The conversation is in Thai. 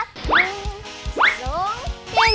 หนึ่งสุดลง